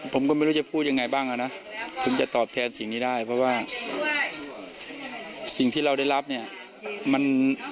ผมก็ไม่รู้จะพูดยังไงบ้างอ่ะนะถึงจะตอบแทนสิ่งนี้ได้เพราะว่าสิ่งที่เราได้รับเนี่ยมัน